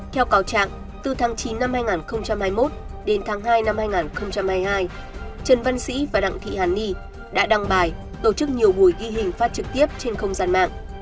theo cáo trạng từ tháng chín năm hai nghìn hai mươi một đến tháng hai năm hai nghìn hai mươi hai trần văn sĩ và đặng thị hàn ni đã đăng bài tổ chức nhiều buổi ghi hình phát trực tiếp trên không gian mạng